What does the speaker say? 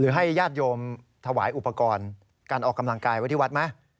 ให้ญาติโยมถวายอุปกรณ์การออกกำลังกายไว้ที่วัดไหม